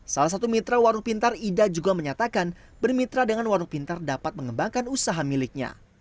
salah satu mitra warung pintar ida juga menyatakan bermitra dengan warung pintar dapat mengembangkan usaha miliknya